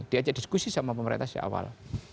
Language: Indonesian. diajak diskusi sama pemerintah sejak awal